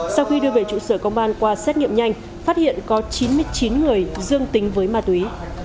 sau khi đưa về trụ sở công an qua xét nghiệm nhanh phát hiện có chín mươi chín người dương tính với ma túy